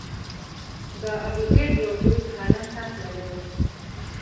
د ابوزید یو دوست هالند ته تللی و.